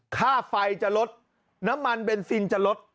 ค่าไฟจะลดน้ำมันเบนซินจะลด